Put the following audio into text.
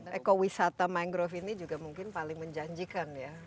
ekowisata mangrove ini juga mungkin paling menjanjikan ya